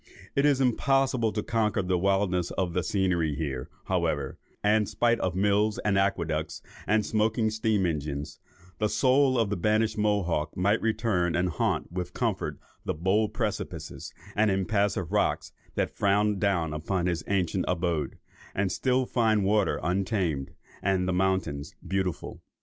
It is impossible to conquer the wildness of the scenery here, however; and spite of mills and aqueducts, and smoking steam engines, the soul of the banished Mohawk might return and haunt with comfort the bold precipices and impassive rocks that frown down upon his ancient abode, and still find the water untamed, and the mountains beautiful.